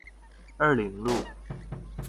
二苓路